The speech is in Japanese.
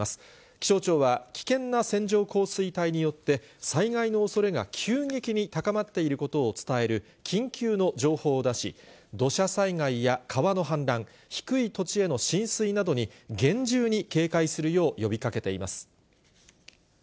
気象庁は、危険な線状降水帯によって、災害のおそれが急激に高まっていることを伝える緊急の情報を出し、土砂災害や川の氾濫、低い土地への浸水などに厳重に警戒するよう呼びかけています。